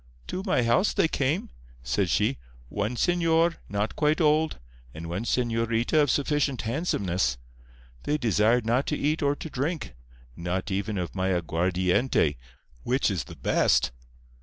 "To my house they came," said she—"one señor, not quite old, and one señorita of sufficient handsomeness. They desired not to eat or to drink—not even of my aguardiente, which is the best.